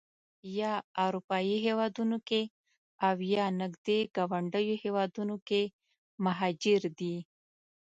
یا اروپایي هېوادونو کې او یا نږدې ګاونډیو هېوادونو کې مهاجر دي.